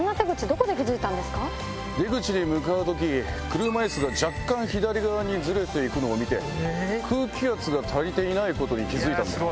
車イスが若干左側にずれて行くのを見て空気圧が足りていないことに気付いたんだよ。